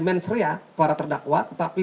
mensria para terdakwa tetapi